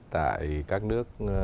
tại các nước